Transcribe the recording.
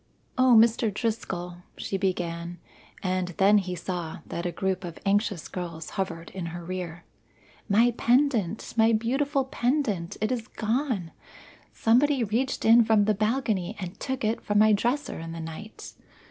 "O, Mr. Driscoll," she began, and then he saw that a group of anxious girls hovered in her rear "my pendant! my beautiful pendant! It is gone! Somebody reached in from the balcony and took it from my dresser in the night.